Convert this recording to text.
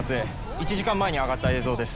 １時間前に上がった映像です。